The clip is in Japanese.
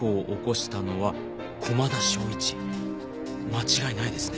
間違いないですね。